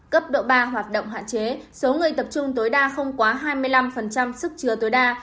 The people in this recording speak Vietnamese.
cấp độ ba hoạt động hạn chế số người tập trung tối đa không quá hai mươi năm sức chứa tối đa